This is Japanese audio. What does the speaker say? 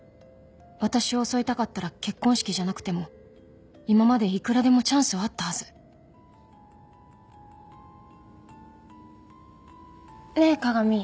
私を襲いたかったら結婚式じゃなくても今までいくらでもチャンスはあったはずねえ加賀美。